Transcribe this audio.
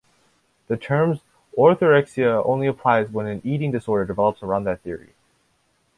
The term 'orthorexia' only applies when an eating disorder develops around that theory.